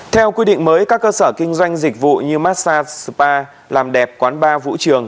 theo quy định mới các cơ sở kinh doanh dịch vụ như massag spa làm đẹp quán bar vũ trường